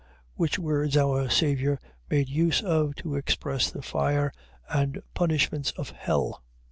Which words our Saviour made use of to express the fire and punishments of hell.